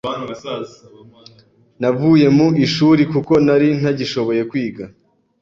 navuye mu ishuri kuko nari ntagishoboye kwiga.